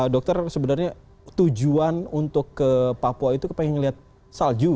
dokter sebenarnya tujuan untuk ke papua itu pengen ngeliat salju